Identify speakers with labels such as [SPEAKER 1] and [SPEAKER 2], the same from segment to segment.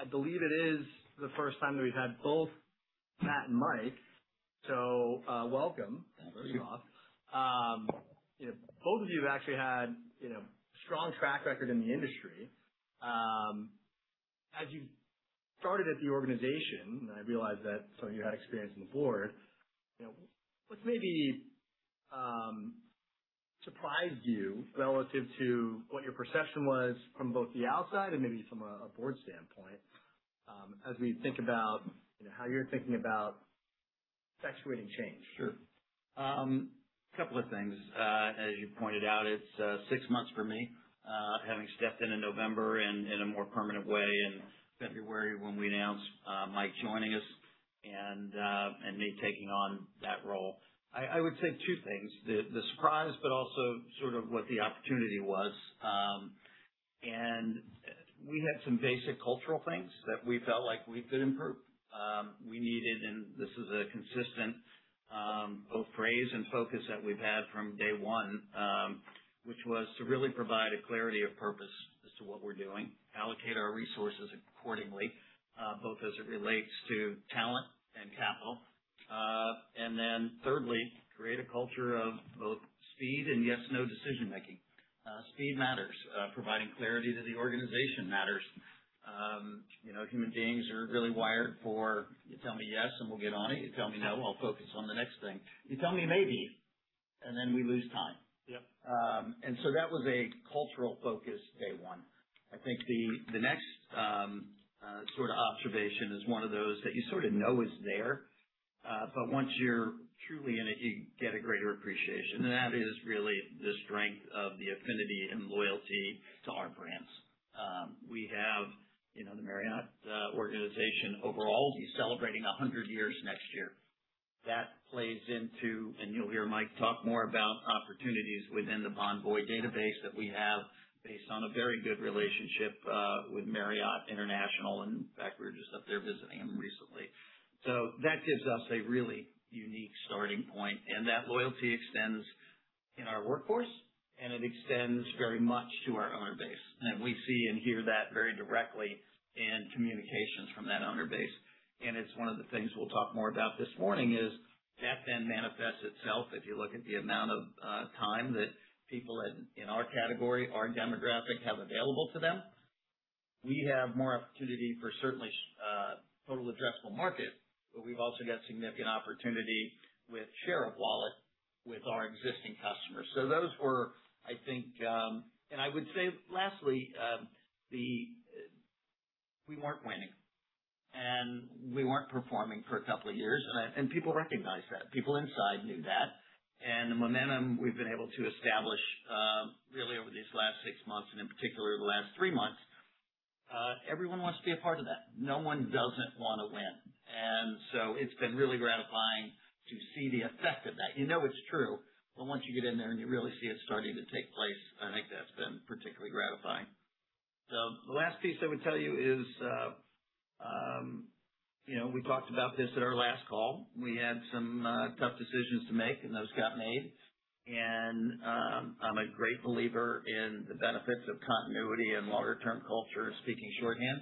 [SPEAKER 1] I believe it is the first time that we've had both Matt and Mike. Welcome, first off.
[SPEAKER 2] Thank you.
[SPEAKER 1] Both of you have actually had strong track records in the industry. As you started at the organization, and I realize that some of you had experience on the board, what maybe surprised you relative to what your perception was from both the outside and maybe from a board standpoint, as we think about how you're thinking about effectuating change?
[SPEAKER 2] Sure. A couple of things. As you pointed out, it's 6 months for me, having stepped in in November, and in a more permanent way in February when we announced Mike joining us and me taking on that role. I would say two things, the surprise, but also sort of what the opportunity was. We had some basic cultural things that we felt like we could improve. We needed, and this is a consistent both phrase and focus that we've had from day one, which was to really provide a clarity of purpose as to what we're doing, allocate our resources accordingly, both as it relates to talent and capital. Then thirdly, create a culture of both speed and yes/no decision-making. Speed matters. Providing clarity to the organization matters. Human beings are really wired for, you tell me yes, and we'll get on it. You tell me no, I'll focus on the next thing. You tell me maybe, and then we lose time.
[SPEAKER 1] Yep.
[SPEAKER 2] That was a cultural focus day one. I think the next sort of observation is one of these that you sort of know is there, but once you're truly in it, you get a greater appreciation. That is really the strength of the affinity and loyalty to our brands. We have the Marriott International overall will be celebrating 100 years next year. That plays into, you'll hear Mike talk more about opportunities within the Bonvoy database that we have based on a very good relationship with Marriott International. In fact, we were just up there visiting them recently. That gives us a really unique starting point, that loyalty extends in our workforce, and it extends very much to our owner base. We see and hear that very directly in communications from that owner base. It's one of the things we'll talk more about this morning is that then manifests itself if you look at the amount of time that people in our category, our demographic, have available to them. We have more opportunity for certainly total addressable market, but we've also got significant opportunity with share of wallet with our existing customers. Those were, I would say lastly, we weren't winning, and we weren't performing for a couple of years, and people recognized that. People inside knew that. The momentum we've been able to establish really over these last 6 months and in particular the last three months, everyone wants to be a part of that. No one doesn't want to win. It's been really gratifying to see the effect of that. You know it's true, but once you get in there and you really see it starting to take place, I think that's been particularly gratifying. The last piece I would tell you is, we talked about this at our last call. We had some tough decisions to make, and those got made. I'm a great believer in the benefits of continuity and longer-term culture, speaking shorthand.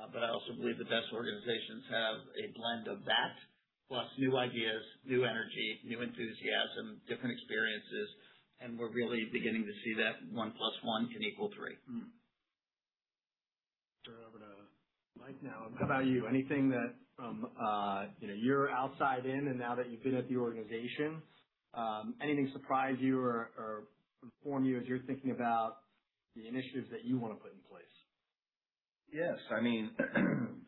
[SPEAKER 2] I also believe the best organizations have a blend of that plus new ideas, new energy, new enthusiasm, different experiences, and we're really beginning to see that one plus one can equal three.
[SPEAKER 1] Turn it over to Mike now. How about you? Anything that from your outside in, and now that you've been at the organization, anything surprise you or inform you as you're thinking about the initiatives that you want to put in place?
[SPEAKER 3] Yes.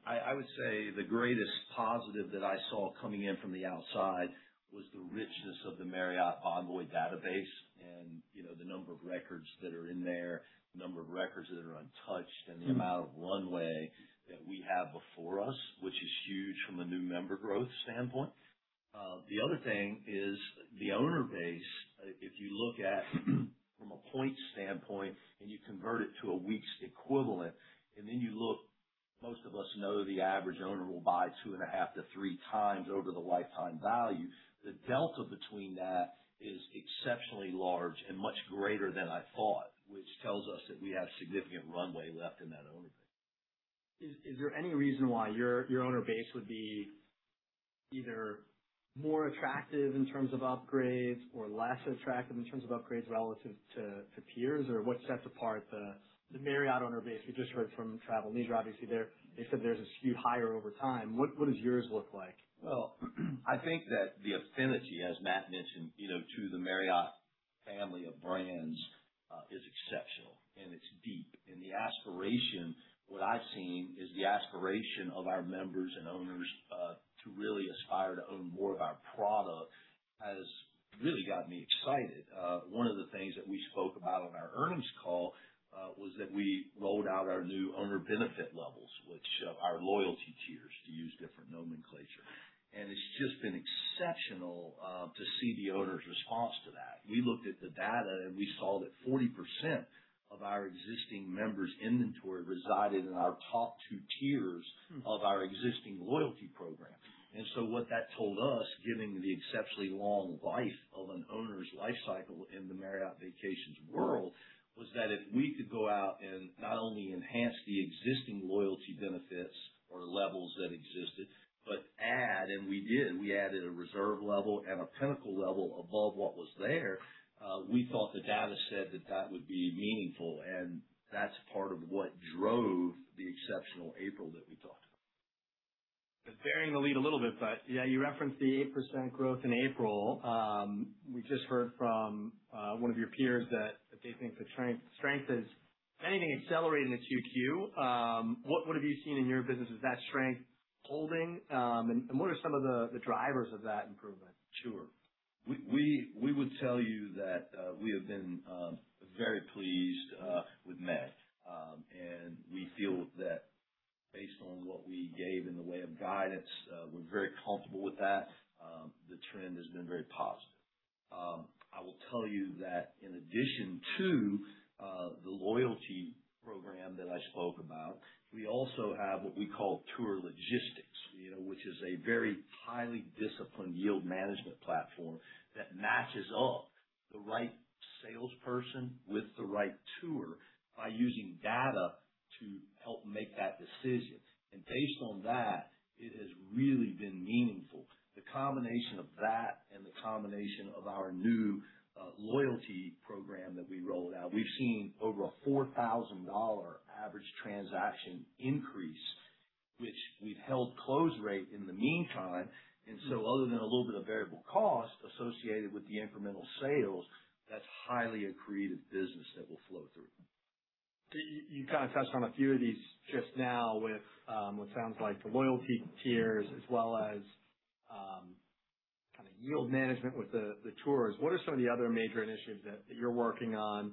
[SPEAKER 3] I would say the greatest positive that I saw coming in from the outside was the richness of the Marriott Bonvoy database and the number of records that are in there, the number of records that are untouched, and the amount of runway that we have before us, which is huge from a new member growth standpoint. The other thing is the owner base. If you look at from a points standpoint and you convert it to a week's equivalent, and then you look, most of us know the average owner will buy two and a half to three times over the lifetime value. The delta between that is exceptionally large and much greater than I thought, which tells us that we have significant runway left in that owner base.
[SPEAKER 1] Is there any reason why your owner base would be either more attractive in terms of upgrades or less attractive in terms of upgrades relative to peers? What sets apart the Marriott owner base? We just heard from Travel + Leisure, obviously, they said theirs skewed higher over time. What does yours look like?
[SPEAKER 3] Well, I think that the affinity, as Matt mentioned, to the Marriott family of brands, is exceptional, it's deep. The aspiration, what I've seen, is the aspiration of our members and owners to really aspire to own more of our product has really got me excited. One of the things that we spoke about on our earnings call was that we rolled out our new Owner Benefit Levels, which are loyalty tiers, to use different nomenclature. It's just been exceptional to see the owners' response to that. We looked at the data. We saw that 40% of our existing members' inventory resided in our top 2 tiers of our existing loyalty program. What that told us, given the exceptionally long life of an owner's life cycle in the Marriott Vacations Worldwide, was that if we could go out and not only enhance the existing loyalty benefits or levels that existed, but add, and we did, we added a Reserve level and a Pinnacle level above what was there, we thought the data said that that would be meaningful. That's part of what drove the exceptional April that we talked about.
[SPEAKER 1] Bearing the lead a little bit, yeah, you referenced the 8% growth in April. We just heard from one of your peers that they think the strength is, if anything, accelerating the Q2. What have you seen in your business? Is that strength holding? What are some of the drivers of that improvement?
[SPEAKER 3] Sure. We would tell you that we have been very pleased with May. We feel that based on what we gave in the way of guidance, we're very comfortable with that. The trend has been very positive. I will tell you that in addition to the loyalty program that I spoke about, we also have what we call tour logistics, which is a very highly disciplined yield management platform that matches up the right salesperson with the right tour by using data to help make that decision. Based on that, it has really been meaningful. The combination of that and the combination of our new loyalty program that we rolled out, we've seen over a $4,000 average transaction increase, which we've held close rate in the meantime. Other than a little bit of variable cost associated with the incremental sales, that's highly accretive business that will flow through.
[SPEAKER 1] You touched on a few of these just now with what sounds like the loyalty tiers as well as yield management with the tours. What are some of the other major initiatives that you're working on,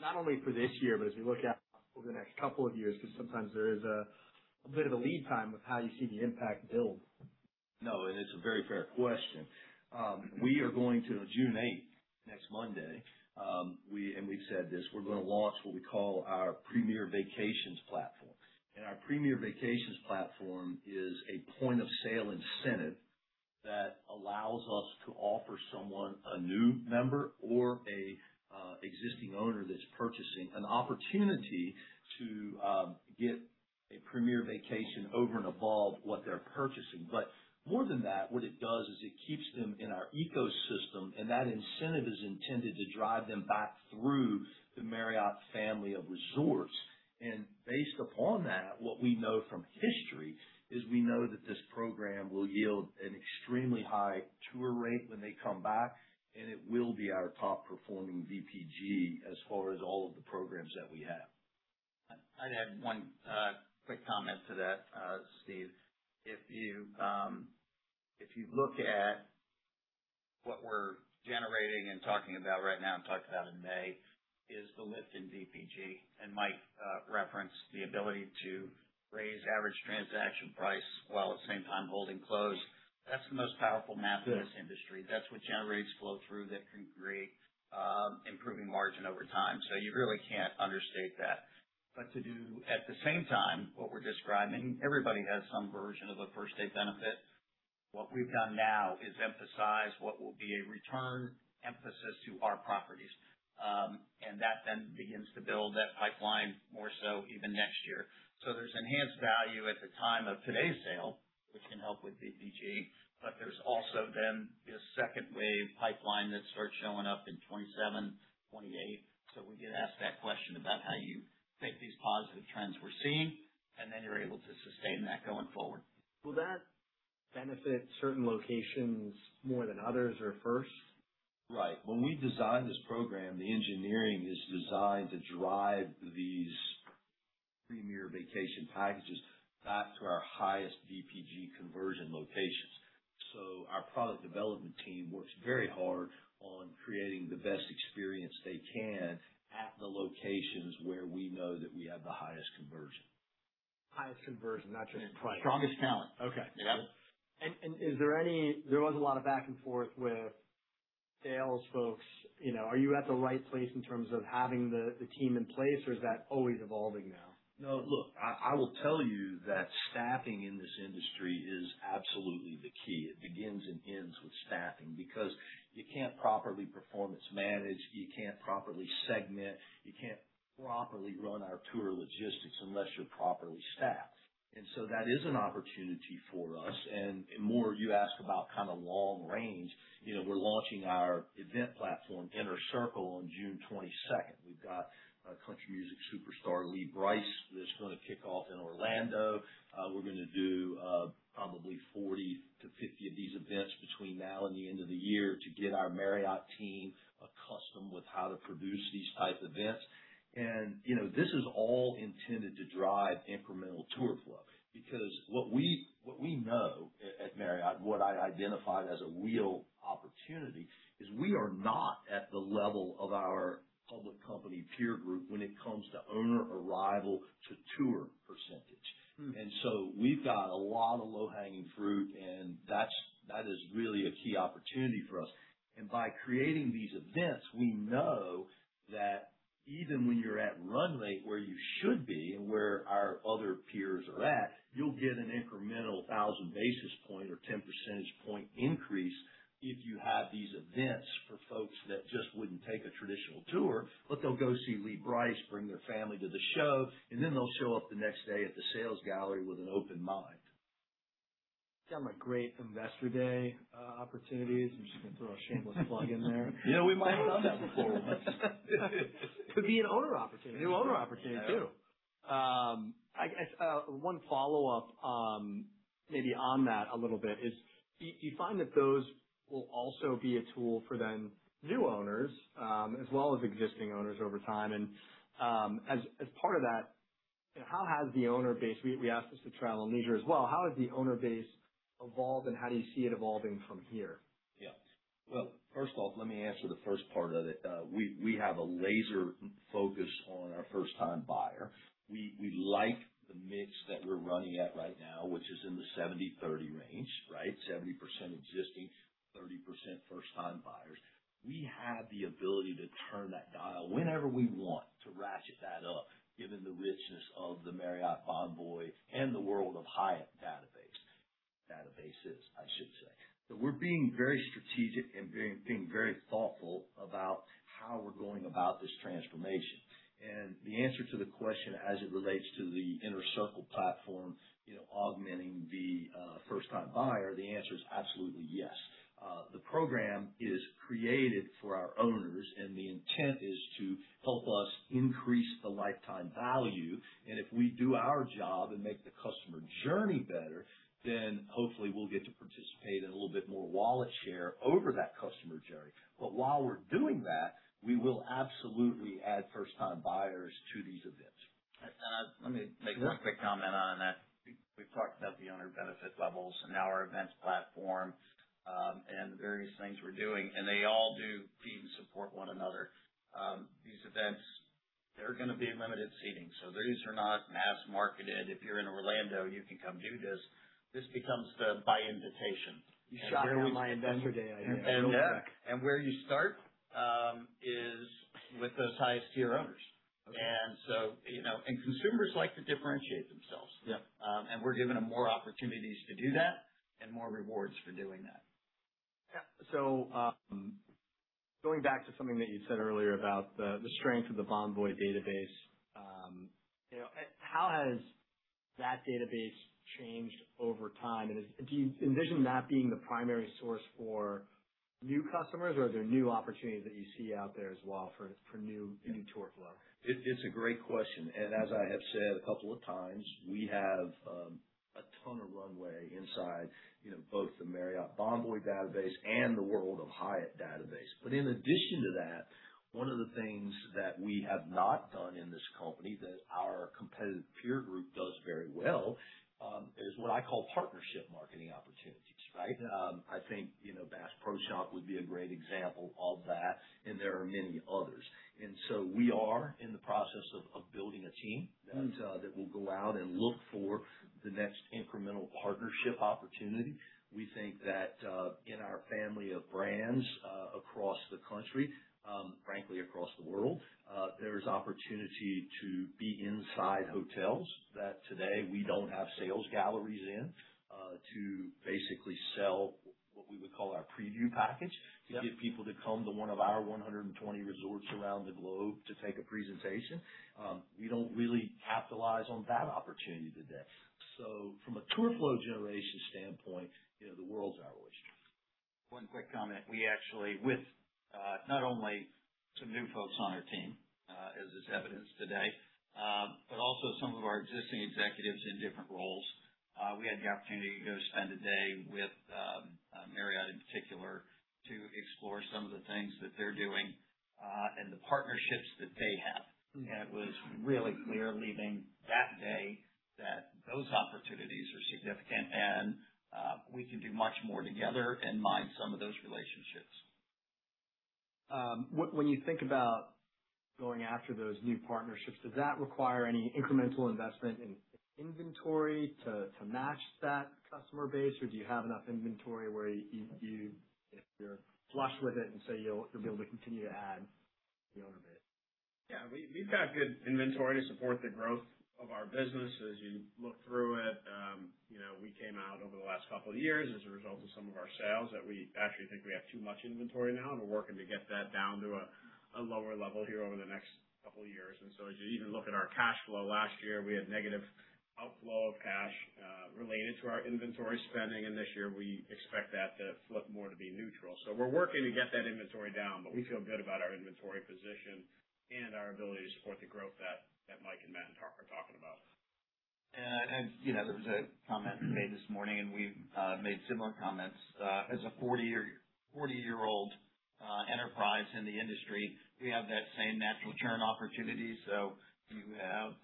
[SPEAKER 1] not only for this year, but as we look out over the next couple of years? Sometimes there is a bit of a lead time with how you see the impact build.
[SPEAKER 3] No. It's a very fair question. We are going to, June 8th, next Monday, and we've said this, we're going to launch what we call our Premier Vacations platform. Our Premier Vacations platform is a point-of-sale incentive that allows us to offer someone, a new member or a existing owner that's purchasing, an opportunity to get a Premier Vacations over and above what they're purchasing. More than that, what it does is it keeps them in our ecosystem, and that incentive is intended to drive them back through the Marriott family of resorts. Based upon that, what we know from history is we know that this program will yield an extremely high tour rate when they come back, and it will be our top-performing VPG as far as all of the programs that we have.
[SPEAKER 2] I'd add one quick comment to that, Steve. If you look at what we're generating and talking about right now and talked about in May, is the lift in VPG, and Mike referenced the ability to raise average transaction price while at the same time holding close. That's the most powerful math in this industry. You really can't understate that. To do at the same time what we're describing, everybody has some version of a first-day benefit. What we've done now is emphasize what will be a return emphasis to our properties. That then begins to build that pipeline more so even next year. There's enhanced value at the time of today's sale, which can help with VPG, but there's also then a second wave pipeline that starts showing up in 2027, 2028. We get asked that question about how you make these positive trends we're seeing, and then you're able to sustain that going forward.
[SPEAKER 1] Will that benefit certain locations more than others or first?
[SPEAKER 3] Right. When we designed this program, the engineering is designed to drive these Premier Vacations packages back to our highest VPG conversion locations. Our product development team works very hard on creating the best experience they can at the locations where we know that we have the highest conversion.
[SPEAKER 1] Highest conversion, not just price.
[SPEAKER 2] Strongest talent.
[SPEAKER 1] Okay.
[SPEAKER 2] Yep.
[SPEAKER 1] There was a lot of back and forth with sales folks. Are you at the right place in terms of having the team in place, or is that always evolving now?
[SPEAKER 3] No, look, I will tell you that staffing in this industry is absolutely the key. It begins and ends with staffing because you can't properly performance manage, you can't properly segment, you can't properly run our tour logistics unless you're properly staffed. That is an opportunity for us and more, you asked about long range. We're launching our event platform, Inner Circle, on June 22nd. We've got country music superstar Lee Brice that's going to kick off in Orlando. We're going to do probably 40-50 of these events between now and the end of the year to get our Marriott team accustomed with how to produce these type events. This is all intended to drive incremental tour flow, because what we know at Marriott, what I identified as a real opportunity is we are not at the level of our public company peer group when it comes to owner arrival to tour percentage. We've got a lot of low-hanging fruit. That is really a key opportunity for us. By creating these events, we know that even when you're at run rate where you should be and where our other peers are at, you'll get an incremental 1,000 basis point or 10 percentage point increase if you have these events for folks that just wouldn't take a traditional tour, but they'll go see Lee Brice, bring their family to the show, and then they'll show up the next day at the sales gallery with an open mind.
[SPEAKER 1] Some are great investor day opportunities. I'm just going to throw a shameless plug in there.
[SPEAKER 3] Yeah, we might have done that before.
[SPEAKER 1] Could be an owner opportunity.
[SPEAKER 3] New owner opportunity, too.
[SPEAKER 1] One follow-up maybe on that a little bit is, do you find that those will also be a tool for then new owners, as well as existing owners over time? As part of that, we asked this to Travel + Leisure as well. How has the owner base evolved, and how do you see it evolving from here?
[SPEAKER 3] Yeah. Well, first off, let me answer the first part of it. We have a laser focus on our first-time buyer. We like the mix that we're running at right now, which is in the 70/30 range, right? 70% existing, 30% first-time buyers. We have the ability to turn that dial whenever we want to ratchet that up, given the richness of the Marriott Bonvoy and the World of Hyatt database. Databases, I should say. We're being very strategic and being very thoughtful about how we're going about this transformation. The answer to the question as it relates to the Inner Circle platform augmenting the first-time buyer, the answer is absolutely yes. The program is created for our owners, and the intent is to help us increase the lifetime value, and if we do our job and make the customer journey better, then hopefully we'll get to participate in a little bit more wallet share over that customer journey. While we're doing that, we will absolutely add first-time buyers to these events.
[SPEAKER 2] Let me make one quick comment on that. We've talked about the Owner Benefit Levels and now our Inner Circle, and the various things we're doing, and they all do feed and support one another. These events, they're going to be limited seating, so these are not mass marketed. If you're in Orlando, you can come do this. This becomes the by invitation.
[SPEAKER 1] You shot down my Investor Day idea.
[SPEAKER 2] Where you start is with those highest tier owners.
[SPEAKER 1] Okay.
[SPEAKER 2] Consumers like to differentiate themselves.
[SPEAKER 1] Yeah.
[SPEAKER 2] We're giving them more opportunities to do that and more rewards for doing that.
[SPEAKER 1] Going back to something that you said earlier about the strength of the Bonvoy database, how has that database changed over time, and do you envision that being the primary source for new customers, or are there new opportunities that you see out there as well for new tour flow?
[SPEAKER 3] It's a great question. As I have said a couple of times, we have a ton of runway inside both the Marriott Bonvoy database and the World of Hyatt database. In addition to that, one of the things that we have not done in this company that our competitive peer group does very well, is what I call partnership marketing opportunities, right?
[SPEAKER 1] Yeah.
[SPEAKER 3] I think Bass Pro Shops would be a great example of that, and there are many others. We are in the process of building a team that will go out and look for the next incremental partnership opportunity. We think that in our family of brands across the country, frankly, across the world, there's opportunity to be inside hotels that today we don't have sales galleries in, to basically sell what we would call our preview package to get people to come to one of our 120 resorts around the globe to take a presentation. We don't really capitalize on that opportunity today. From a tour flow generation standpoint, the world's our oyster.
[SPEAKER 2] One quick comment. We actually, with not only some new folks on our team, as is evidenced today, but also some of our existing executives in different roles, we had the opportunity to go spend a day with Marriott in particular to explore some of the things that they're doing, and the partnerships that they have. It was really clear leaving that day that those opportunities are significant and we can do much more together and mine some of those relationships.
[SPEAKER 1] When you think about going after those new partnerships, does that require any incremental investment in inventory to match that customer base, or do you have enough inventory where you're flush with it and you'll be able to continue to add the owner base?
[SPEAKER 4] Yeah. We've got good inventory to support the growth of our business. As you look through it, we came out over the last couple of years as a result of some of our sales that we actually think we have too much inventory now, and we're working to get that down to a lower level here over the next couple of years. As you even look at our cash flow last year, we had negative outflow of cash related to our inventory spending, and this year we expect that to flip more to be neutral. We're working to get that inventory down, but we feel good about our inventory position and our ability to support the growth that Mike and Matt and Todd were talking about.
[SPEAKER 2] There was a comment made this morning, and we've made similar comments. As a 40-year-old enterprise in the industry, we have that same natural churn opportunity. You have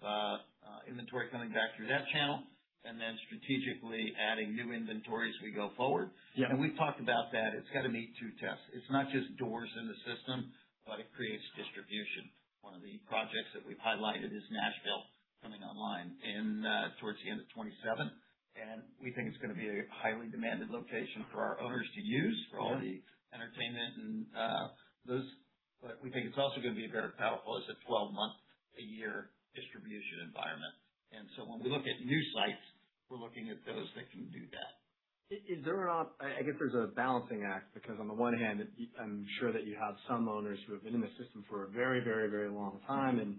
[SPEAKER 2] inventory coming back through that channel and then strategically adding new inventory as we go forward.
[SPEAKER 1] Yeah.
[SPEAKER 2] We've talked about that it's got to meet two tests. It's not just doors in the system, but it creates distribution. One of the projects that we've highlighted is Nashville coming online towards the end of 2027, and we think it's going to be a highly demanded location for our owners to use for all the entertainment, but we think it's also going to be a very powerful as a 12-month-a-year distribution environment. When we look at new sites, we're looking at those that can do that.
[SPEAKER 1] I guess there's a balancing act because, on the one hand, I'm sure that you have some owners who have been in the system for a very long time, and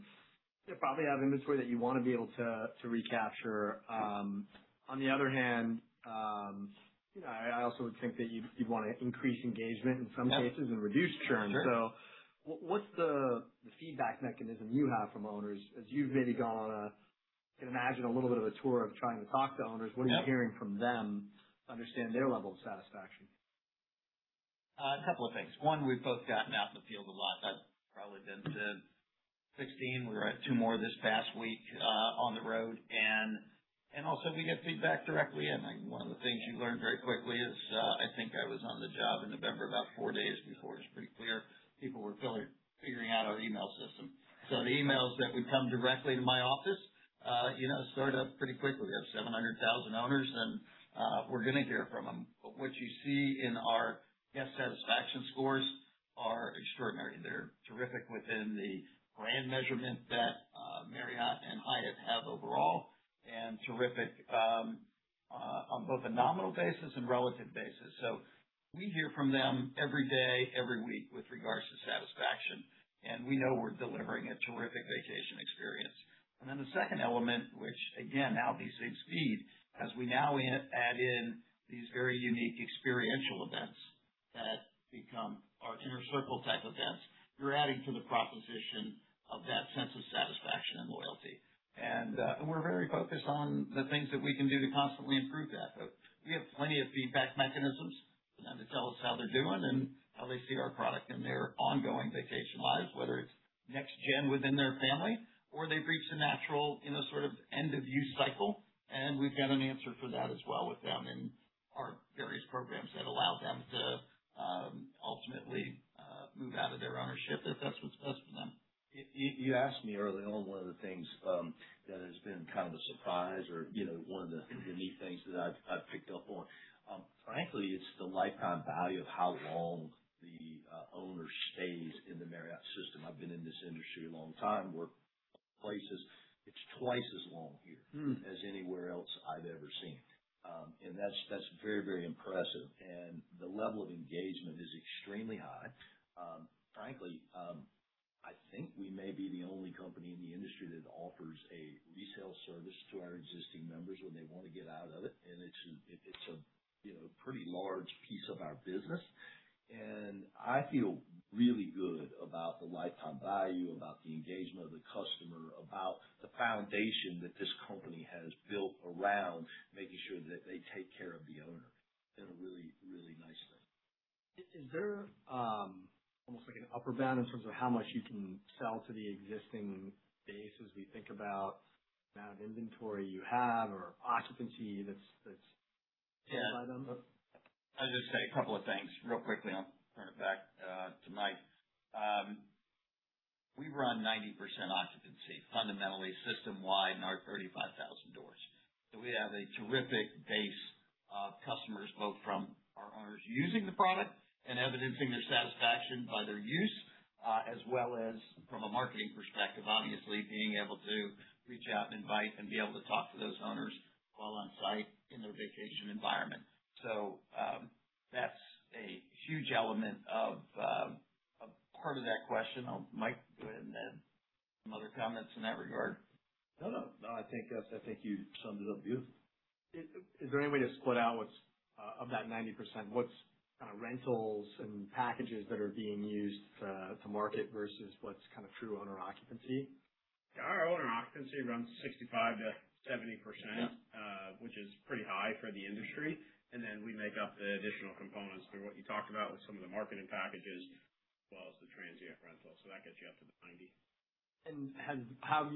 [SPEAKER 1] they probably have inventory that you want to be able to recapture.
[SPEAKER 2] Sure.
[SPEAKER 1] On the other hand, I also would think that you'd want to increase engagement in some cases and reduce churn.
[SPEAKER 2] Sure.
[SPEAKER 1] What's the feedback mechanism you have from owners as you've maybe gone on a, I can imagine, a little bit of a tour of trying to talk to owners?
[SPEAKER 2] Yep.
[SPEAKER 1] What are you hearing from them to understand their level of satisfaction?
[SPEAKER 2] A couple of things. One, we've both gotten out in the field a lot. I've probably been to 16. We were at two more this past week on the road. Also we get feedback directly. One of the things you learn very quickly is, I think I was on the job in November about four days before it was pretty clear people were figuring out our email system. The emails that would come directly to my office started up pretty quickly. We have 700,000 owners. We're going to hear from them. What you see in our guest satisfaction scores are extraordinary. They're terrific within the brand measurement that Marriott and Hyatt have overall. Terrific on both a nominal basis and relative basis. We hear from them every day, every week with regards to satisfaction. We know we're delivering a terrific vacation experience. Then the second element, which again, now these things feed, as we now add in these very unique experiential events that become our Inner Circle type events, you're adding to the proposition of that sense of satisfaction and loyalty. We're very focused on the things that we can do to constantly improve that. We have plenty of feedback mechanisms for them to tell us how they're doing and how they see our product in their ongoing vacation lives, whether it's next-gen within their family or they've reached a natural end-of-use cycle, and we've got an answer for that as well with them in our various programs that allow them to ultimately move out of their ownership if that's what's best for them.
[SPEAKER 3] You asked me early on one of the things that has been a surprise or one of the neat things that I've picked up on. Frankly, it's the lifetime value of how long the owner stays in the Marriott system. I've been in this industry a long time, worked places, it's twice as long here as anywhere else I've ever seen. That's very impressive, and the level of engagement is extremely high. Frankly, I think we may be the only company in the industry that offers a resale service to our existing members when they want to get out of it, and it's a pretty large piece of our business. I feel really good about the lifetime value, about the engagement of the customer, about the foundation that this company has built around making sure that they take care of the owner in a really nice way.
[SPEAKER 1] Is there almost like an upper bound in terms of how much you can sell to the existing base as we think about the amount of inventory you have or occupancy that's taken by them?
[SPEAKER 2] I'll just say a couple of things real quickly, and I'll turn it back to Mike. We run 90% occupancy fundamentally system-wide in our 35,000 doors. We have a terrific base of customers, both from our owners using the product and evidencing their satisfaction by their use, as well as from a marketing perspective, obviously, being able to reach out and invite and be able to talk to those owners while on-site in their vacation environment. That's a huge element of part of that question. Mike, go ahead and add some other comments in that regard.
[SPEAKER 3] No, I think you summed it up beautifully.
[SPEAKER 1] Is there any way to split out, of that 90%, what's rentals and packages that are being used to market versus what's true owner occupancy?
[SPEAKER 2] Our owner occupancy runs 65%-70%, which is pretty high for the industry, and then we make up the additional components through what you talked about with some of the marketing packages, as well as the transient rentals. That gets you up to the 90%.
[SPEAKER 1] How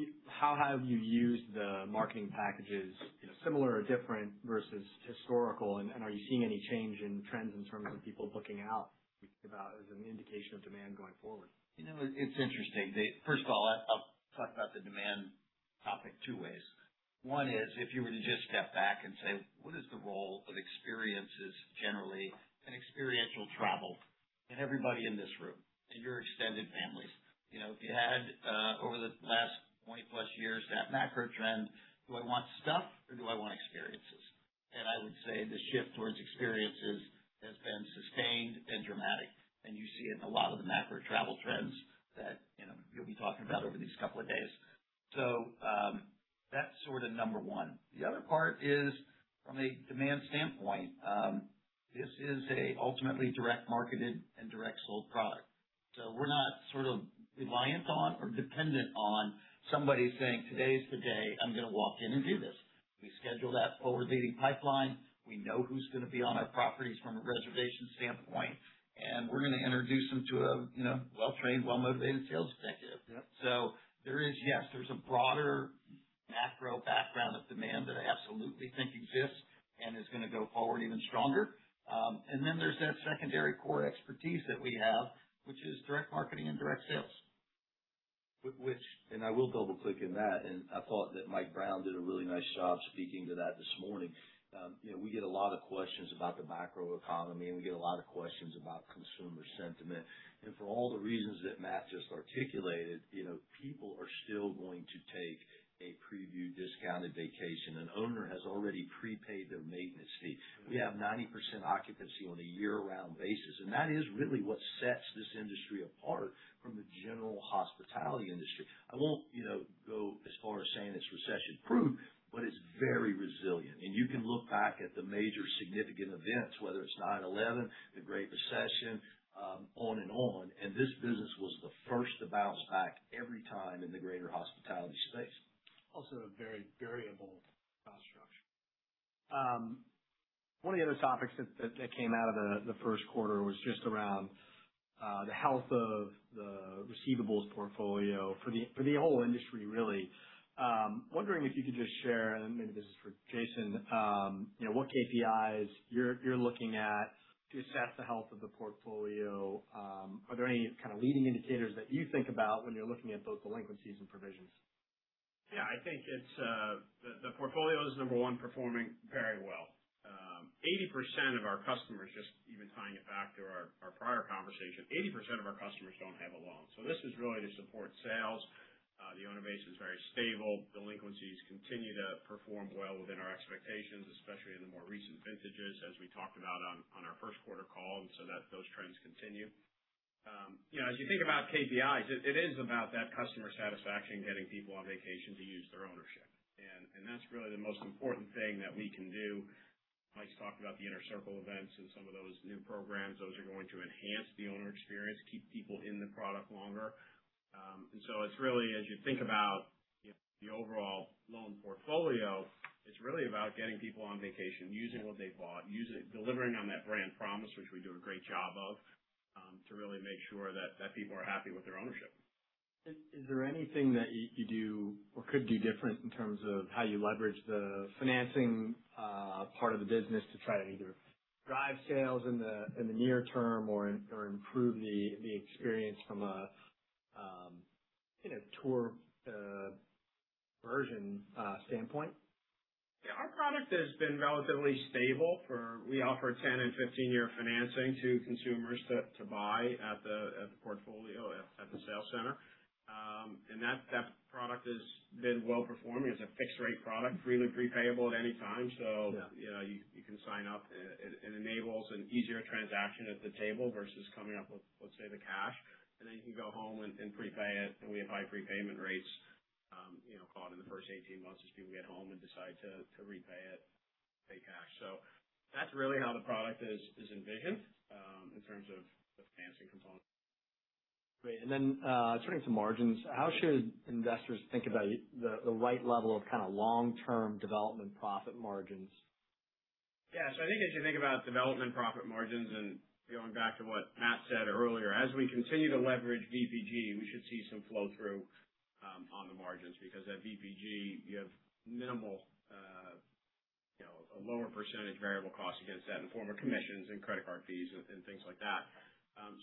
[SPEAKER 1] have you used the marketing packages similar or different versus historical, and are you seeing any change in trends in terms of people booking out as we think about it as an indication of demand going forward?
[SPEAKER 2] It's interesting. First of all, I'll talk about the demand topic two ways. One is if you were to just step back and say, "What is the role of experiences generally and experiential travel in everybody in this room and your extended families?" If you had over the last 20+ years, that macro trend, do I want stuff or do I want experiences? I would say the shift towards experiences has been sustained and dramatic, and you see it in a lot of the macro travel trends that you'll be talking about over these couple of days. That's number one. The other part is from a demand standpoint, this is a ultimately direct marketed and direct sold product. We're not reliant on or dependent on somebody saying, "Today's the day I'm going to walk in and do this." We schedule that forward-leading pipeline. We know who's going to be on our properties from a reservation standpoint, and we're going to introduce them to a well-trained, well-motivated sales executive.
[SPEAKER 3] Yep.
[SPEAKER 2] There is, yes, there's a broader macro background of demand that I absolutely think exists and is going to go forward even stronger. There's that secondary core expertise that we have, which is direct marketing and direct sales.
[SPEAKER 3] I will double-click in that, and I thought that Mike Brown did a really nice job speaking to that this morning. We get a lot of questions about the macroeconomy, and we get a lot of questions about consumer sentiment. For all the reasons that Matt just articulated, people are still going to take a preview discounted vacation. An owner has already prepaid their maintenance fee. We have 90% occupancy on a year-round basis, and that is really what sets this industry apart from the general hospitality industry. I won't go as far as saying it's recession-proof, but it's very resilient. You can look back at the major significant events, whether it's 9/11, the Great Recession, on and on, and this business was the first to bounce back every time in the greater hospitality space.
[SPEAKER 2] A very variable cost structure.
[SPEAKER 1] One of the other topics that came out of the first quarter was just around the health of the receivables portfolio for the whole industry, really. Wondering if you could just share, and maybe this is for Jason, what KPIs you're looking at to assess the health of the portfolio. Are there any kind of leading indicators that you think about when you're looking at both delinquencies and provisions?
[SPEAKER 4] I think the portfolio is number 1, performing very well. 80% of our customers, just even tying it back to our prior conversation, 80% of our customers don't have a loan. This is really to support sales. The owner base is very stable. Delinquencies continue to perform well within our expectations, especially in the more recent vintages, as we talked about on our first quarter call, those trends continue. As you think about KPIs, it is about that customer satisfaction, getting people on vacation to use their ownership. That's really the most important thing that we can do. Mike's talked about the Inner Circle events and some of those new programs. Those are going to enhance the owner experience, keep people in the product longer. As you think about the overall loan portfolio, it's really about getting people on vacation, using what they've bought, delivering on that brand promise, which we do a great job of, to really make sure that people are happy with their ownership.
[SPEAKER 1] Is there anything that you do or could do different in terms of how you leverage the financing part of the business to try to either drive sales in the near term or improve the experience from a tour conversion standpoint?
[SPEAKER 4] Yeah, our product has been relatively stable. We offer 10 and 15 year financing to consumers to buy at the portfolio at the sales center. That product has been well-performing. It's a fixed rate product, freely pre-payable at any time.
[SPEAKER 1] Yeah.
[SPEAKER 4] You can sign up. It enables an easier transaction at the table versus coming up with, let's say, the cash. Then you can go home and pre-pay it, and we have high prepayment rates caught in the first 18 months as people get home and decide to repay it, pay cash. That's really how the product is envisioned in terms of the financing component.
[SPEAKER 1] Great. Then turning to margins, how should investors think about the right level of long-term development profit margins?
[SPEAKER 4] Yeah. I think as you think about development profit margins, going back to what Matt said earlier, as we continue to leverage VPG, we should see some flow-through on the margins because at VPG, you have minimal, a lower % variable cost against that in the form of commissions and credit card fees and things like that.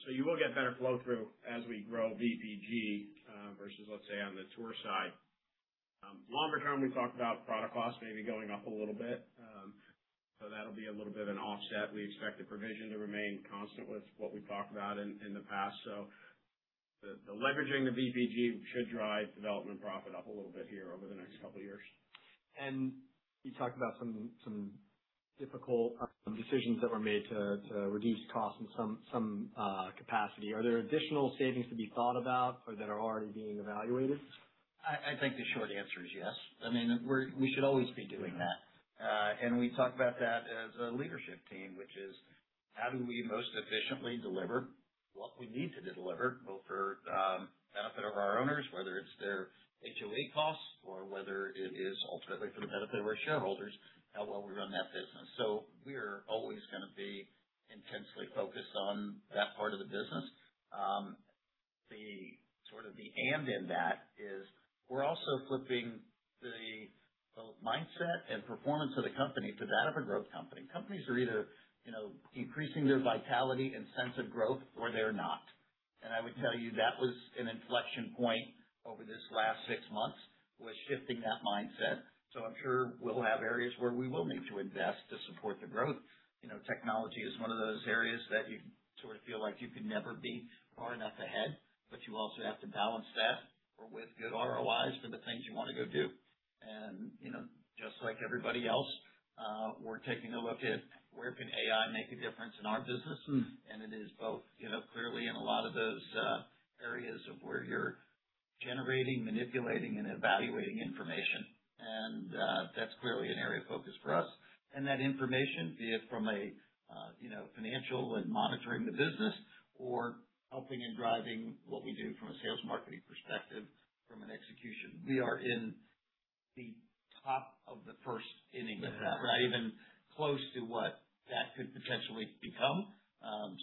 [SPEAKER 4] You will get better flow-through as we grow VPG versus, let's say, on the tour side. Longer term, we talked about product costs maybe going up a little bit. That'll be a little bit of an offset. We expect the provision to remain constant with what we've talked about in the past. The leveraging of VPG should drive development profit up a little bit here over the next couple of years.
[SPEAKER 1] You talked about some difficult decisions that were made to reduce costs in some capacity. Are there additional savings to be thought about or that are already being evaluated?
[SPEAKER 2] I think the short answer is yes. We should always be doing that. We talk about that as a leadership team, which is how do we most efficiently deliver what we need to deliver, both for the benefit of our owners, whether it's their HOA costs or whether it is ultimately for the benefit of our shareholders, how well we run that business. We are always going to be intensely focused on that part of the business. In that is we're also flipping the mindset and performance of the company to that of a growth company. Companies are either increasing their vitality and sense of growth, or they're not. I would tell you that was an inflection point over this last 6 months, was shifting that mindset. I'm sure we'll have areas where we will need to invest to support the growth. Technology is one of those areas that you sort of feel like you could never be far enough ahead, but you also have to balance that with good ROIs for the things you want to go do. Just like everybody else, we're taking a look at where can AI make a difference in our business? It is both clearly in a lot of those areas of where you're generating, manipulating, and evaluating information, and that's clearly an area of focus for us. That information, be it from a financial and monitoring the business or helping in driving what we do from a sales marketing perspective, from an execution, we are in the top of the first inning of that.
[SPEAKER 1] Yeah.
[SPEAKER 2] We're not even close to what that could potentially become.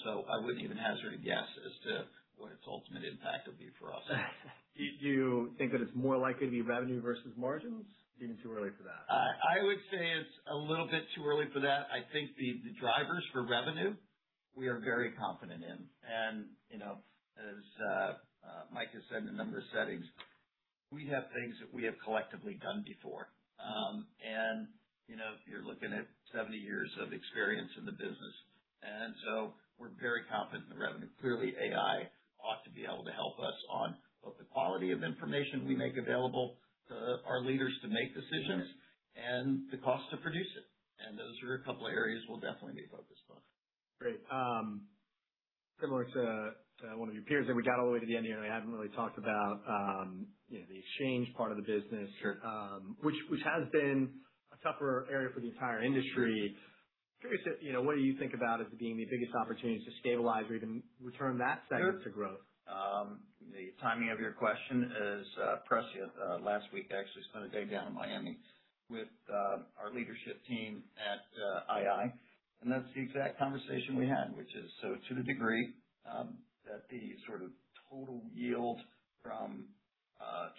[SPEAKER 2] I wouldn't even hazard a guess as to what its ultimate impact will be for us.
[SPEAKER 1] Do you think that it's more likely to be revenue versus margins? Do you think it's too early for that?
[SPEAKER 2] I would say it's a little bit too early for that. I think the drivers for revenue we are very confident in. As Mike has said in a number of settings, we have things that we have collectively done before. You're looking at 70 years of experience in the business, and so we're very confident in the revenue. Clearly, AI ought to be able to help us on both the quality of information we make available to our leaders to make decisions and the cost to produce it, and those are a couple of areas we'll definitely be focused on.
[SPEAKER 1] Great. Similar to one of your peers there, we got all the way to the end here. We haven't really talked about the exchange part of the business.
[SPEAKER 2] Sure
[SPEAKER 1] which has been a tougher area for the entire industry. Curious at what you think about as being the biggest opportunity to stabilize or even return that segment to growth?
[SPEAKER 2] Sure. The timing of your question is prescient. Last week, I actually spent a day down in Miami with our leadership team at II, and that's the exact conversation we had. Which is, to the degree that the sort of total yield from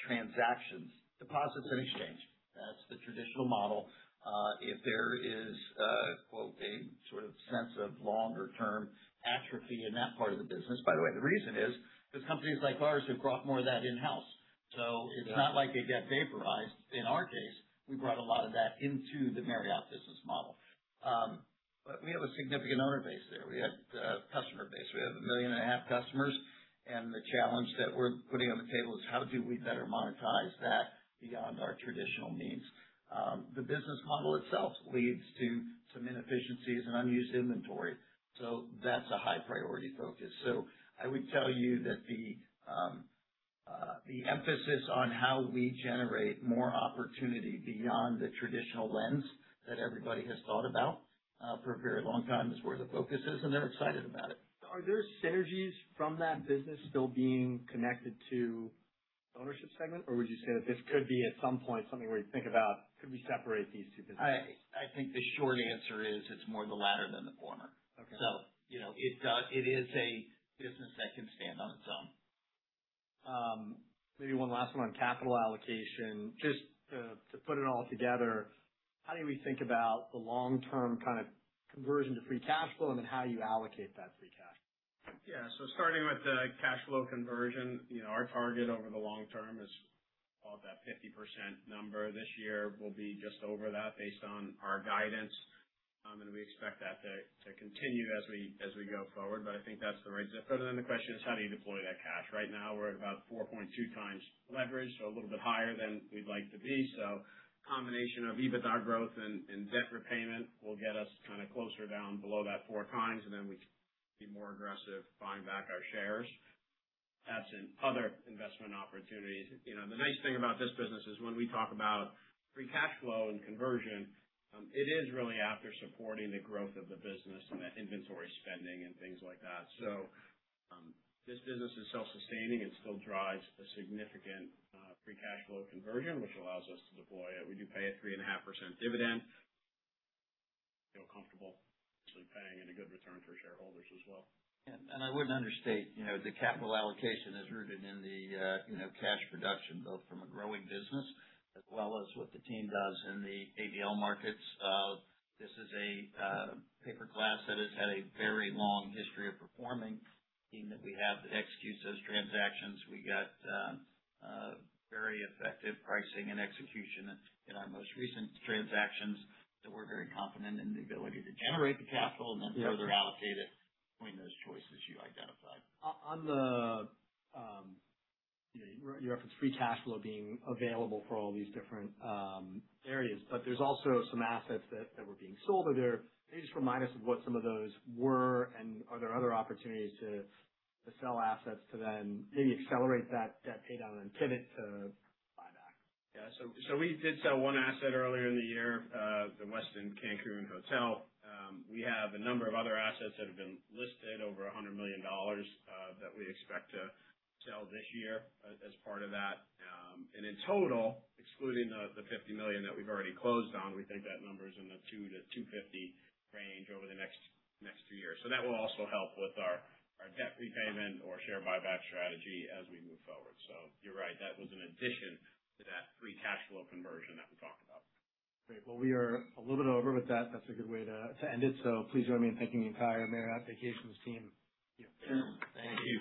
[SPEAKER 2] transactions, deposits, and exchange, that's the traditional model. If there is a quote, "A sort of sense of longer-term atrophy" in that part of the business. By the way, the reason is because companies like ours have brought more of that in-house. It's not like they get vaporized. In our case, we brought a lot of that into the Marriott business model. We have a significant owner base there. We have a customer base. We have a million and a half customers, and the challenge that we're putting on the table is how do we better monetize that beyond our traditional means? The business model itself leads to some inefficiencies and unused inventory, so that's a high-priority focus. I would tell you that the emphasis on how we generate more opportunity beyond the traditional lens that everybody has thought about for a very long time is where the focus is, and they're excited about it.
[SPEAKER 1] Are there synergies from that business still being connected to the ownership segment, or would you say that this could be, at some point, something where you think about could we separate these two businesses?
[SPEAKER 2] I think the short answer is it's more the latter than the former.
[SPEAKER 1] Okay.
[SPEAKER 2] It is a business that can stand on its own.
[SPEAKER 1] Maybe one last one on capital allocation. Just to put it all together, how do we think about the long-term kind of conversion to free cash flow and then how you allocate that free cash flow?
[SPEAKER 4] Yeah. Starting with the cash flow conversion, our target over the long term is about that 50% number. This year, we'll be just over that based on our guidance, and we expect that to continue as we go forward. I think that's the right zip code. The question is how do you deploy that cash? Right now, we're at about 4.2 times leverage, so a little bit higher than we'd like to be. A combination of EBITDA growth and debt repayment will get us kind of closer down below that 4x, and then we can be more aggressive buying back our shares. That's in other investment opportunities. The nice thing about this business is when we talk about free cash flow and conversion, it is really after supporting the growth of the business and that inventory spending and things like that. This business is self-sustaining and still drives a significant free cash flow conversion, which allows us to deploy it. We do pay a 3.5% dividend, feel comfortable paying it a good return for shareholders as well.
[SPEAKER 2] I wouldn't understate the capital allocation is rooted in the cash production, both from a growing business as well as what the team does in the ABS markets. This is a paper class that has had a very long history of performing. The team that we have that executes those transactions, we got very effective pricing and execution in our most recent transactions that we're very confident in the ability to generate the capital and then further allocate it between those choices you identified.
[SPEAKER 1] You referenced free cash flow being available for all these different areas, but there's also some assets that were being sold. Maybe just remind us of what some of those were, and are there other opportunities to sell assets to then maybe accelerate that debt pay down and pivot to buyback?
[SPEAKER 4] Yeah. We did sell one asset earlier in the year, The Westin Resort & Spa, Cancun. We have a number of other assets that have been listed over $100 million that we expect to sell this year as part of that. In total, excluding the $50 million that we've already closed on, we think that number is in the $200 million-$250 million range over the next two years. That will also help with our debt repayment or share buyback strategy as we move forward. You're right, that was an addition to that free cash flow conversion that we talked about.
[SPEAKER 1] Great. Well, we are a little bit over, but that's a good way to end it. Please join me in thanking the entire Marriott Vacations team.
[SPEAKER 2] Thank you.